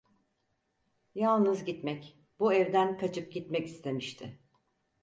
Yalnız gitmek, bu evden kaçıp gitmek istemişti…